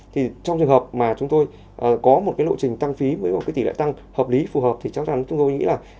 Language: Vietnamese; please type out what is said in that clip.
thì trong trường hợp mà chúng tôi có một cái lộ trình tăng phí với một cái tỷ lệ tăng hợp lý phù hợp thì chắc chắn chúng tôi nghĩ là